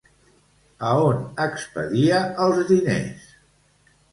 A on expedia els diners?